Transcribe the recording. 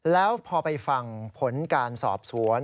แล้วพอไปฟังผลการสอบสวน